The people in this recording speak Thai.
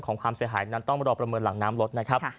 ความเสียหายนั้นต้องรอประเมินหลังน้ำรถนะครับ